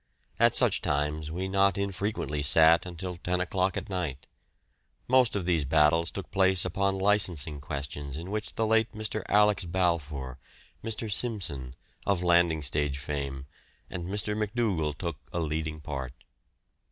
At such times we not infrequently sat until ten o'clock at night. Most of these battles took place upon licensing questions in which the late Mr. Alex. Balfour, Mr. Simpson, of landing stage fame, and Mr. McDougal took a leading part.